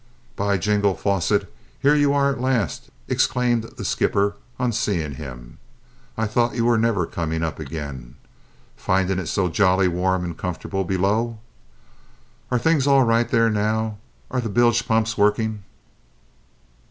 "By jingo, Fosset, here you are at last!" exclaimed the skipper on seeing him. "I thought you were never coming up again, finding it so jolly warm and comfortable below! Are things all right there now, and are the bilge pumps working?"